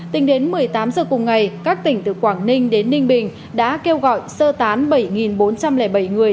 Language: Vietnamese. tính đến một mươi tám giờ cùng ngày các tỉnh từ quảng ninh đến ninh bình đã kêu gọi sơ tán bảy bốn trăm linh bảy người